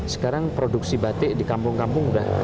sekarang produksi batik di kampung kampung sudah